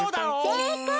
せいかい！